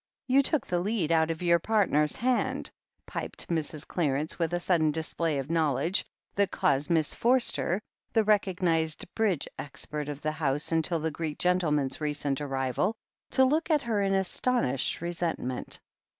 "You took the lead out of your partner's hand," piped Mrs. Clarence, with a sudden display of knowl edge that caused Miss Forster, the recognized Bridge expert of the house until the Greek gentleman's recent arrival, to look at her in astonished resentment.